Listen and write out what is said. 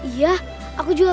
iya aku juga